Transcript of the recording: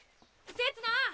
せつな！！